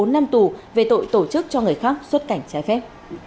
bốn năm tù về tội tổ chức cho người khác xuất cảnh trái phép